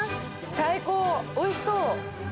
最高おいしそう。